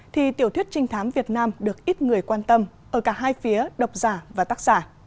thì tiểu thuyết trinh thám việt nam được ít người quan tâm ở cả hai phía độc giả và tác giả